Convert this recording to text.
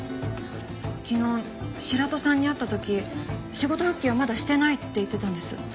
昨日白土さんに会った時仕事復帰はまだしてないって言ってたんです。